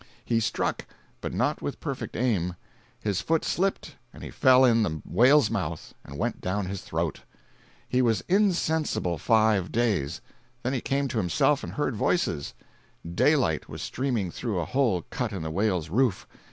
He struck, but not with perfect aim—his foot slipped and he fell in the whale's mouth and went down his throat. He was insensible five days. Then he came to himself and heard voices; daylight was streaming through a hole cut in the whale's roof.